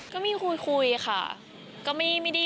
ก็มีคุยค่ะก็ไม่ได้ปิดอะไร